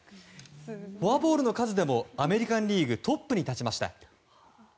フォアボールの数でもアメリカン・リーグトップに立ちました。